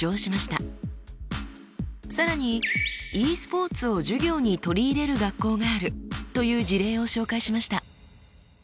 更にｅスポーツを授業に取り入れる学校があるという事例を紹介しました。